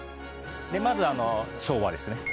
まず昭和ですね。